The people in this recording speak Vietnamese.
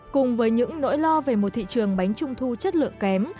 cùng với những nỗi lo về một thị trường bánh trung thu chất lượng kém